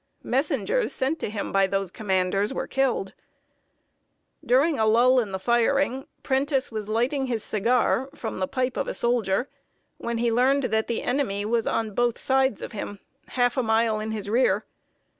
Messengers sent to him by those commanders were killed. During a lull in the firing, Prentiss was lighting his cigar from the pipe of a soldier when he learned that the enemy was on both sides of him, half a mile in his rear.